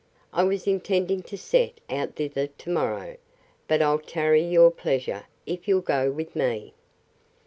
I was intending to set out thither to morrow, but I'll tarry your pleasure, if you'll go with me.